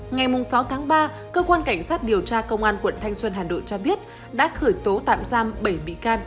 ngày sáu tháng ba cơ quan cảnh sát điều tra công an tp hà nội cho biết đã khởi tố tạm giam bảy bị can